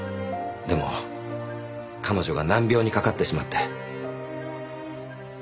でも彼女が難病にかかってしまって。